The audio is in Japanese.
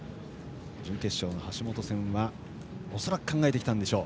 準決勝の橋本戦は恐らく、考えてきたんでしょう。